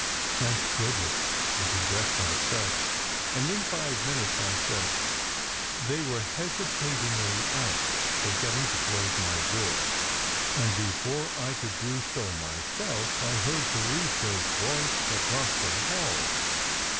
"Thank goodness I can dress myself, and in five min utes," I said. They went hesitatingly out, forgetting to close my door, and before I could do so myself I heard Therese s voice across the hall.